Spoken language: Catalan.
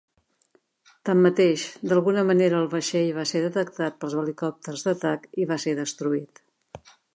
Tanmateix, d'alguna manera el vaixell va ser detectat pels helicòpters d'atac i va ser destruït.